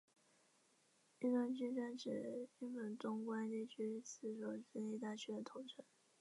日东驹专指日本关东地区四所私立大学的统称。